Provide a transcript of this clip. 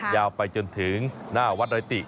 ยาวไปจนถึงหน้าวัดดอยติ